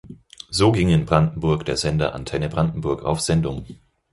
So ging in Brandenburg der Sender Antenne Brandenburg auf Sendung.